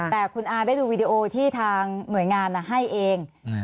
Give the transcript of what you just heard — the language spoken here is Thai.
แต่คุณอาได้ดูวีดีโอที่ทางหน่วยงานให้เอง